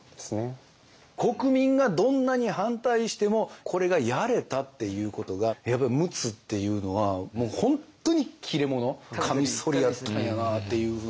国民がどんなに反対してもこれがやれたっていうことがやっぱり陸奥っていうのは本当に切れ者カミソリやったんやなっていうふうに。